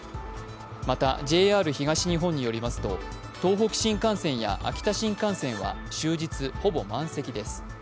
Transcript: また、ＪＲ東日本によりますと東北新幹線や秋田新幹線は終日ほぼ満席です。